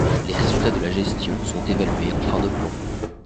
Les résultats de la gestion sont évalués en fin de plan.